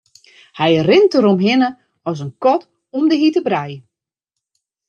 Hy rint deromhinne rinne as de kat om de hjitte brij.